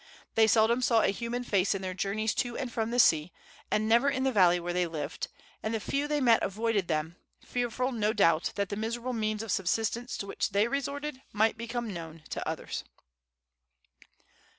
They seldom saw a human face in their journeys to and from the sea, and never in the valley where they lived, and the few they met avoided them, fearful, no doubt, that the miserable means of subsistence to which they resorted might become known to others.